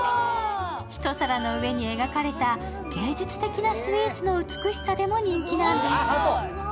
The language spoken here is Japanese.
一皿の上に描かれた芸術的なスイーツの美しさでも人気なんです。